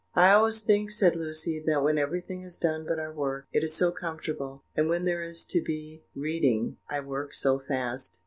"I always think," said Lucy, "that when everything is done but our work, it is so comfortable; and when there is to be reading, I work so fast."